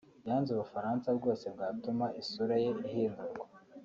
yanze ubufasha bwose bwatuma isura ye ihindurwa